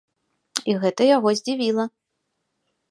І гэта яго здзівіла.